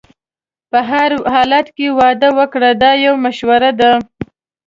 په هر حالت کې واده وکړه دا یو مشوره ده.